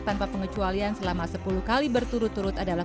tanpa pengecualian selama sepuluh kali berturut turut adalah